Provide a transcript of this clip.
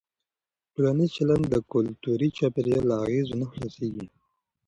ټولنیز چلند د کلتوري چاپېریال له اغېزه نه خلاصېږي.